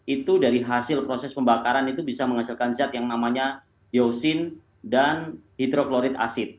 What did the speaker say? itu dari hasil proses pembakaran itu bisa menghasilkan zat yang namanya yosin dan hidroklorit asid